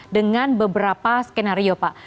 dengan beberapa skenario pak